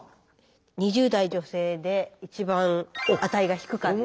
２０代女性で一番値が低かった。